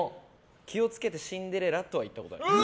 気を付けて、シンデレラとは言ったことあります。